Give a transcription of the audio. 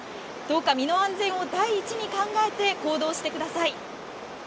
どうか身の安全を第一に考えて行動してください。